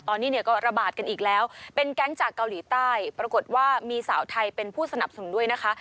ตอนนี้เนี่ยก็ระบาดกันอีกแล้วเป็นแก๊งจากเกาหลีใต้ปรากฏว่ามีสาวไทยเป็นผู้สนับสนุนด้วยนะคะ